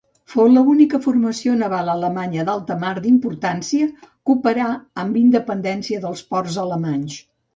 Fou l'única formació naval alemanya d'alta mar d'importància que operà amb independència dels ports alemanys.